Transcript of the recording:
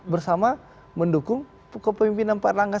bersama mendukung kepemimpinan pak erlangga